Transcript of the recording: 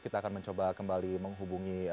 kita akan mencoba kembali menghubungi